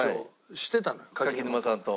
柿沼さんと。